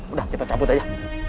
udah kita cabut aja